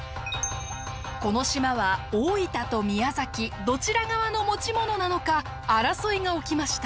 この島は大分と宮崎どちら側の持ち物なのか争いが起きました。